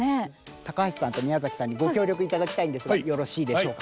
高橋さんと宮崎さんにご協力いただきたいんですがよろしいでしょうか？